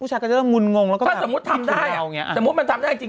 ผู้ชายก็จะมุนงงแล้วก็แบบถ้าสมมุติทำได้ถ้าสมมุติมันทำได้จริง